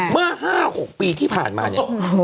มา๕๖ปีที่ผ่านมาค่ะ